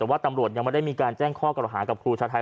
แต่ว่าตำรวจยังไม่ได้มีการแจ้งข้อกล่าหากับครูชาไทย